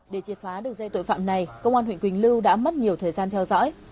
để triệt phá đường dây tội phạm này công an huyện quỳnh lưu đã mất nhiều thời gian theo dõi